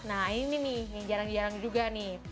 nah ini nih yang jarang jarang juga nih